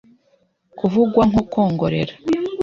kuvugwa nko kwongorera